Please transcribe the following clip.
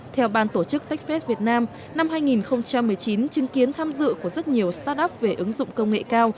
theo ban tổ chức techfest việt nam năm hai nghìn một mươi chín chứng kiến tham dự của rất nhiều start up về ứng dụng công nghệ cao